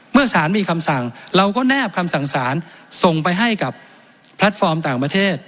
เมื่อสารมีคำสั่งเราก็แนบคำสั่งสารส่งไปให้กับแพลตฟอร์มต่างประเทศ